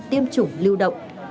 tiêm chủng lưu động